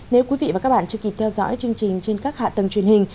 nếu quý vị và các bạn chưa kịp theo dõi chương trình trên các hạ tầng truyền hình